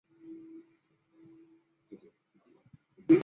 珀菊为菊科珀菊属的植物。